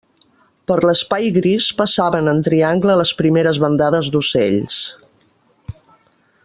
Per l'espai gris passaven en triangle les primeres bandades d'ocells.